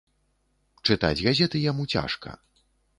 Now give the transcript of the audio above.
Чытаць газеты яму цяжка.